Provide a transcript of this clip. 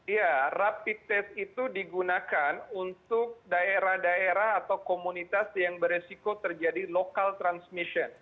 ya rapid test itu digunakan untuk daerah daerah atau komunitas yang beresiko terjadi local transmission